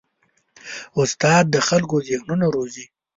استاد د خلکو ذهنونه روزي.